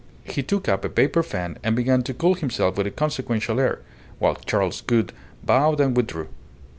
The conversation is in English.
He took up a paper fan and began to cool himself with a consequential air, while Charles Gould bowed and withdrew.